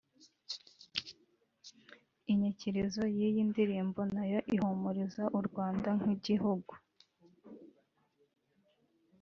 Inyikirizo y’iyi ndirimbo nayo ihumuriza u Rwanda nk’igihugu